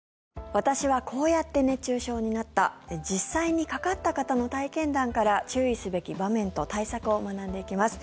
私はこうやって熱中症になった実際にかかった方の体験談から注意すべき場面と対策を学んでいきます。